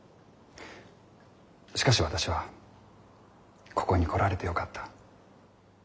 しかし私はここに来られてよかった。